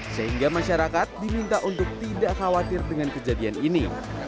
sehingga masyarakat diminta untuk tidak khawatir dengan kejadian ini